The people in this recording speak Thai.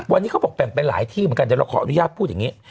วันนี้เขาบอกแบ่งไปหลายที่เหมือนกันเดี๋ยวเราขออนุญาตพูดอย่างนี้